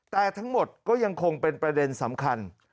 แต่ทั้งหมดก็ยังคงเป็นประเด็นสำคัญ